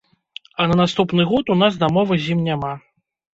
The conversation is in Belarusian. А на наступны год у нас дамовы з ім няма.